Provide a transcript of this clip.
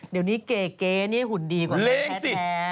เดี๋ยวนี้เก๋นี่หุ่นดีกว่าแค่แท้เล่งสิ